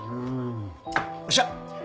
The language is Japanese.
よっしゃ！